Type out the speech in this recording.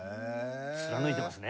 貫いてますね。